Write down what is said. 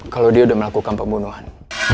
kalau dia sudah melakukan pembunuhan